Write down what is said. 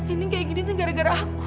ini kayak gini tuh gara gara aku